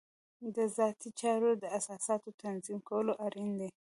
د ذاتي چارو د اساساتو تنظیم کول اړین دي.